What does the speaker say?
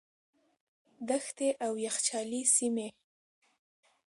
دښتې او یخچالي سیمې.